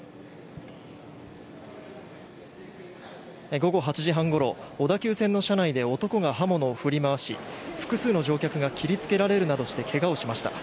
午後８時半ごろ小田急線の車内で男が刃物を振り回し複数の乗客が切りつけられるなどしてけがをしました。